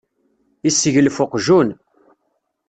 Yesseglef uqjun.